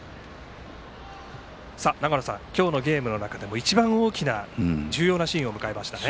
長野さん、今日のゲームの中でも一番大きな重要なシーンを迎えましたね。